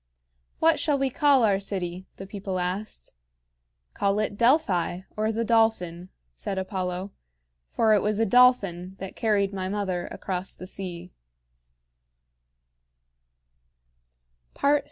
"What shall we call our city?" the people asked. "Call it Delphi, or the Dolphin," said Apollo; "for it was a dolphin that carried my mother across the sea."